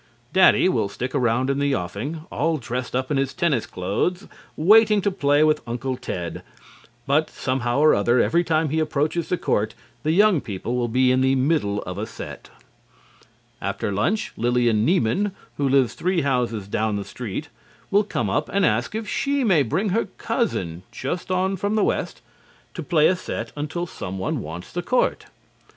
Daddy will stick around in the offing all dressed up in his tennis clothes waiting to play with Uncle Ted, but somehow or other every time he approaches the court the young people will be in the middle of a set. [Illustration: For three hours there is a great deal of screaming.] After lunch, Lillian Nieman, who lives three houses down the street, will come up and ask if she may bring her cousin (just on from the West) to play a set until someone wants the court.